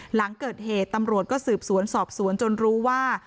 หลังเกิดเหตุตำรวจก็สืบสวนสอบสวนจนรู้ว่า